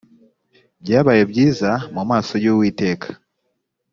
byabaye byiza mu maso y uwiteka